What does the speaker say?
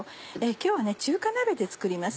今日は中華鍋で作ります。